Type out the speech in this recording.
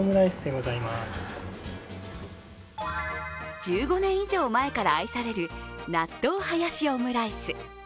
１５年以上前から愛される納豆ハヤシオムライス。